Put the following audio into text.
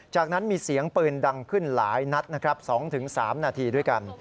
จากนั้นมีเสียงปืนดังขึ้นหลายนัดนะครับ๒๓นาทีด้วยกัน